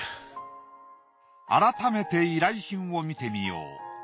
改めて依頼品を見てみよう。